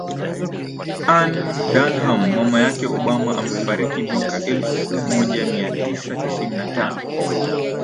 Ann Dunham mama yake Obama amefariki mwaka elfu moja mia tisa tisini na tano